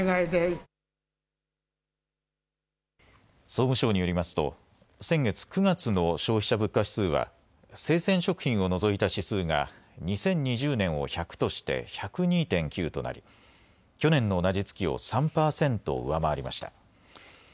総務省によりますと先月９月の消費者物価指数は生鮮食品を除いた指数が２０２０年を１００として１０２．９となり去年の同じ月を３％上回りました。